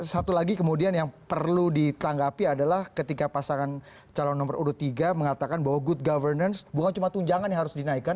satu lagi kemudian yang perlu ditanggapi adalah ketika pasangan calon nomor urut tiga mengatakan bahwa good governance bukan cuma tunjangan yang harus dinaikkan